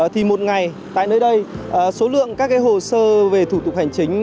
thì một ngày tại nơi đây số lượng các hồ sơ về thủ tục hành chính